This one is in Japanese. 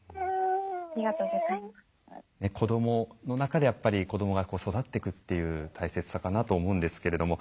子どもの中で子どもが育っていくっていう大切さかなと思うんですけれども。